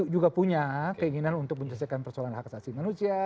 juga punya keinginan untuk menyelesaikan persoalan hak asasi manusia